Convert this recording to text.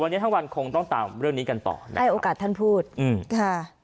วันนี้ทั้งวันคงต้องตามเรื่องนี้กันต่อนะให้โอกาสท่านพูดอืมค่ะ